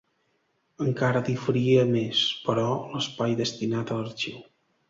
Encara diferia més, però, l'espai destinat a l'arxiu.